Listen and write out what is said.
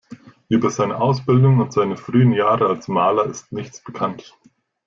Über seine Ausbildung und seine frühen Jahre als Maler ist nichts bekannt.